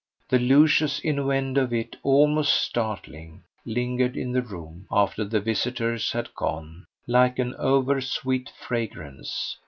The luscious innuendo of it, almost startling, lingered in the room, after the visitors had gone, like an oversweet fragrance.